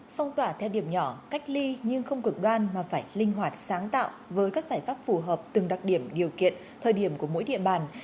phong tỏa theo điểm nhỏ cách ly nhưng không cực đoan mà phải linh hoạt sáng tạo với các giải pháp phù hợp từng đặc điểm điều kiện thời điểm của mỗi địa bàn